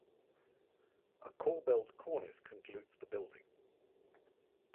A corbelled cornice concludes the building.